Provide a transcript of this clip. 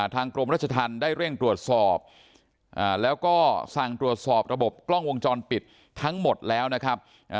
กรมรัชธรรมได้เร่งตรวจสอบแล้วก็สั่งตรวจสอบระบบกล้องวงจรปิดทั้งหมดแล้วนะครับ